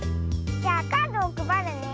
じゃあカードをくばるね。